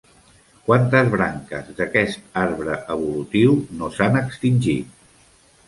Quantes branques d'aquest arbre evolutiu no s'han extingit?